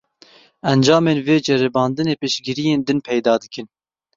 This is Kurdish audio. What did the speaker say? Encamên vê ceribandinê piştgiriyên din peyda dikin.